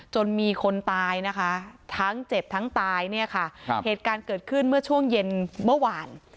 จนมีคนตายนะคะทั้งเจ็บทั้งตายเนี่ยค่ะเหตุการณ์เกิดขึ้นเมื่อช่วงเย็นเมื่อวาน